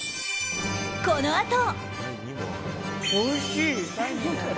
このあと。